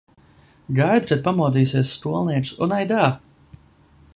Gaidu, kad pamodīsies skolnieks un aidā!